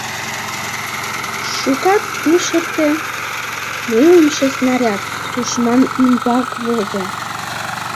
Шукат ыш эрте — нылымше снаряд тушман ӱмбак возо.